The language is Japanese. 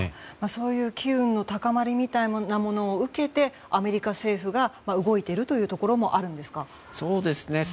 そういう機運の高まりみたいなものを受けてアメリカ政府が動いているというところもあるんですか？